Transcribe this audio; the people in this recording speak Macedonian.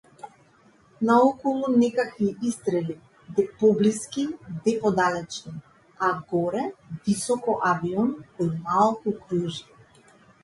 Наоколу некакви истрели, де поблиски де подалечни, а горе високо авион кој малку кружи.